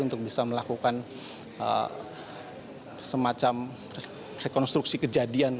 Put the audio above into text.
untuk bisa melakukan semacam rekonstruksi kejadian